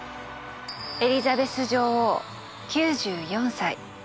エリザベス女王９４歳。